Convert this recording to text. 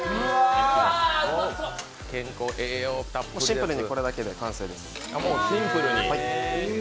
シンプルにこれだけで完成です。